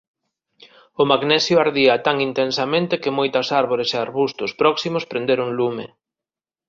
O magnesio ardía tan intensamente que moitas árbores e arbustos próximos prenderon lume.